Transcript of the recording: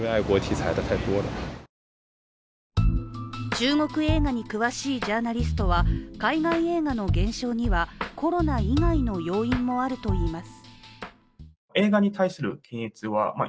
中国映画に詳しいジャーナリストは海外映画の減少にはコロナ以外の要因もあるといいます。